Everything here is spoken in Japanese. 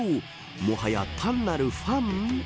もはや、単なるファン。